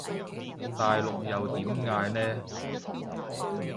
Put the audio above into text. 大陸又點嗌呢？